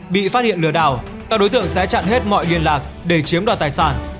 bị phát hiện lừa đảo các đối tượng sẽ chặn hết mọi liên lạc để chiếm đoạt tài sản